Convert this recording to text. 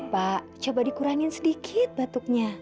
pak coba dikurangin sedikit batuknya